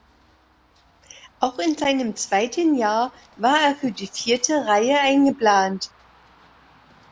Auch in seinem zweiten Jahr war er für die vierte Reihe eingeplant.